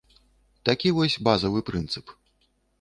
Такі вось базавы прынцып.